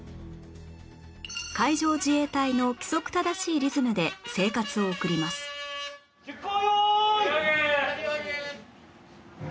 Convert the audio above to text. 海上自衛隊の規則正しいリズムで生活を送ります出港！